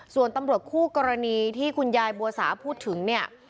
ส่วนตำรวจคู่กรณีที่คุณยายบัวสาพูดถึงเนี่ย